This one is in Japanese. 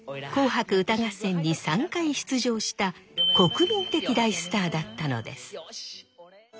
「紅白歌合戦」に３回出場した国民的大スターだったのです。